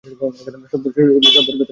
শব্দের ভেতরই অর্থ নিহিত।